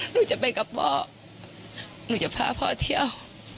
หนูจะไปกับพ่อหนูจะพาพ่อเที่ยว